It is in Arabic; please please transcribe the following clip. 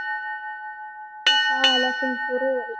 فَقَالَ فِي الْفُرُوعِ